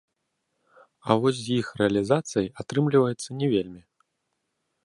А вось з іх рэалізацыяй атрымліваецца не вельмі.